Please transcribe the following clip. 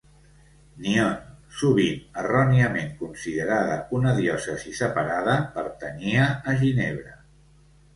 Nyon, sovint erròniament considerada una diòcesi separada, pertanyia a Ginebra.